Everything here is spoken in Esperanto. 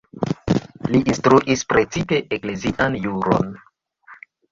Li instruis precipe eklezian juron.